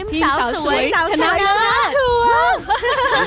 ทีมสาวสวยชนะชัวร์